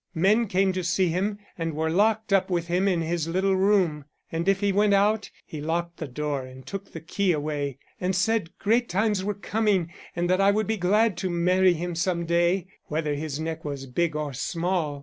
Men came to see him and were locked up with him in his little room. And if he went out, he locked the door and took the key away, and said great times were coming and that I would be glad to marry him some day, whether his neck was big or small.